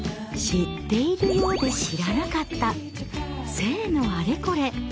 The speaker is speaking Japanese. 知っているようで知らなかった性のあれこれ。